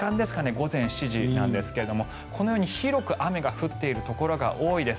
午前７時なんですがこのように広く雨が降っているところが多いです。